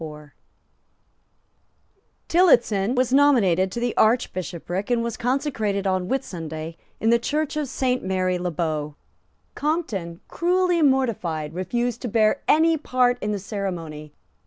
Tillotson was nominated to the Archbishopric, and was consecrated on Whitsunday, in the church of St. Mary Le Bow. Compton, cruelly mortified, refused to bear any part in the ceremony.